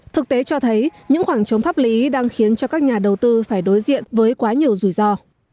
thực tế cho thấy những khoảng trống pháp lý đang khiến cho các nhà đầu tư phải đối diện với quá nhiều rủi ro